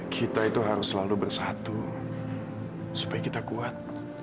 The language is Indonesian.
kita itu harus selalu bersatu supaya kita kuat